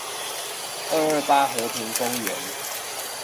二二八和平公園